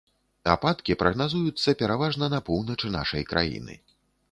Ападкі прагназуюцца пераважна на поўначы нашай краіны.